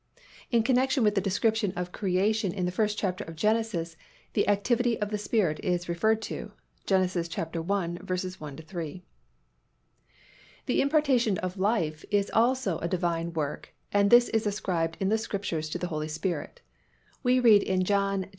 In connection with the description of creation in the first chapter of Genesis, the activity of the Spirit is referred to (Gen. i. 1 3). The impartation of life is also a Divine work and this is ascribed in the Scriptures to the Holy Spirit, We read in John vi.